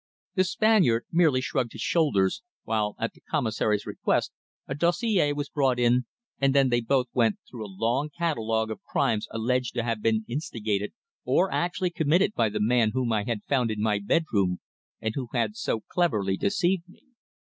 The Spaniard merely shrugged his shoulders, while at the Commissary's request a dossier was brought in, and then they both went through a long catalogue of crimes alleged to have been instigated or actually committed by the man whom I had found in my bedroom, and who had so cleverly deceived me.